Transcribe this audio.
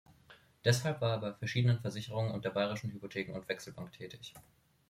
Deshalb war er bei verschiedenen Versicherungen und der Bayerischen Hypotheken- und Wechselbank tätig.